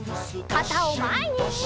かたをまえに！